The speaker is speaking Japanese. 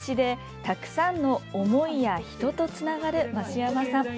漆で、たくさんの思いや人とつながる増山さん。